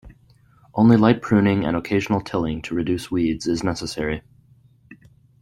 Only light pruning and occasional tilling to reduce weeds is necessary.